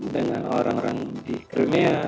dengan orang orang di crimea